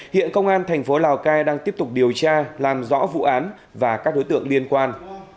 hiện công an thành phố lào cai đang tiếp tục điều tra làm rõ vụ án và các đối tượng liên quan